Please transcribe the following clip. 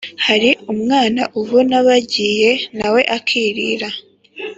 Hari umwana ubona bagiye nawe akarira